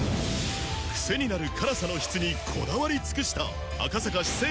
クセになる辛さの質にこだわり尽くした赤坂四川